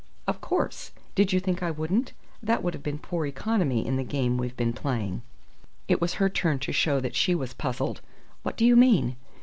"Of course. Did you think I wouldn't? That would have been poor economy in the game we've been playing." It was her turn to show that she was puzzled. "What do you mean?"